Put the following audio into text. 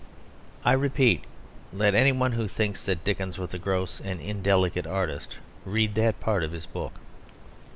I repeat: let any one who thinks that Dickens was a gross and indelicate artist read that part of the book.